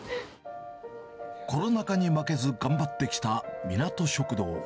コロナ禍に負けず頑張ってきたみなと食堂。